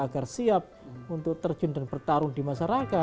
agar siap untuk terjun dan bertarung di masyarakat